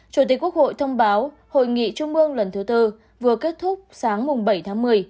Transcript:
chủ tịch quốc hội thông báo hội nghị trung ương lần thứ tư vừa kết thúc sáng bảy tháng một mươi